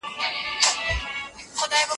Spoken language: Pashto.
دا پوهه له یوه نسل بل ته لېږدیږي.